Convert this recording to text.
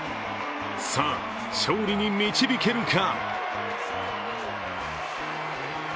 さあ、勝利に導けるか。